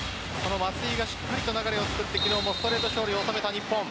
松井がしっかりと流れを作って昨日もストレート勝利を収めた日本。